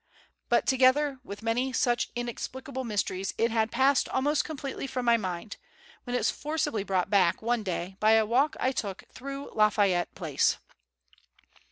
But, together with many such inexplicable mysteries, it had passed almost completely from my mind, when it was forcibly brought back, one day, by a walk I took through Lafayette Place.